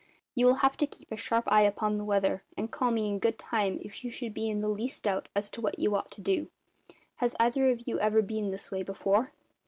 "You will have to keep a sharp eye upon the weather, and call me in good time if you should be in the least doubt as to what you ought to do. Has either of you ever been this way before?"